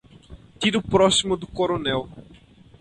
Tiro próximo do coronel.